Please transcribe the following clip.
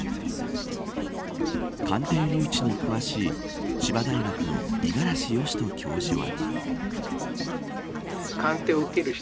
鑑定留置に詳しい千葉大学の五十嵐禎人教授は。